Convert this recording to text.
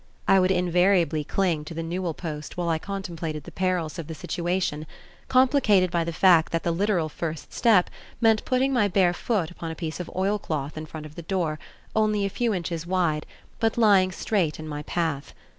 I would invariably cling to the newel post while I contemplated the perils of the situation, complicated by the fact that the literal first step meant putting my bare foot upon a piece of oilcloth in front of the door, only a few inches wide, but lying straight in my path.